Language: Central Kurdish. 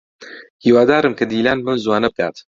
هیوادارم کە دیلان بەم زووانە بگات.